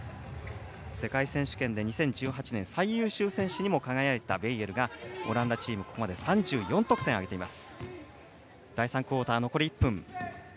世界選手権で２０１８年最優秀選手にも輝いたベイエルがオランダチームここまで３４得点挙げています。